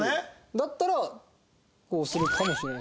だったらこうするかもしれないですね。